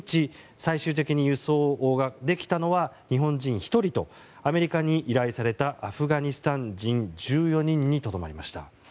最終的に輸送ができたのは日本人１人とアメリカに依頼されたアフガニスタン人１４人にとどまりました。